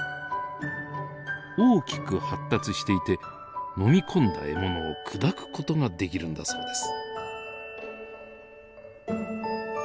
大きく発達していて飲み込んだ獲物を砕く事ができるんだそうです。